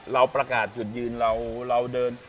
เราประกาศจุดยืนเราเดิน